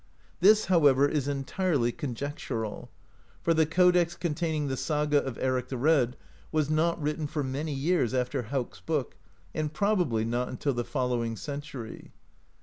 This, however, is entirely conjectural, for the codex containing the Saga of Eric the Red was not written for many years after Hauk's Book, and probably not until the following cen tury.